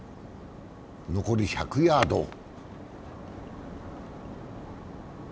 残り１００ヤード。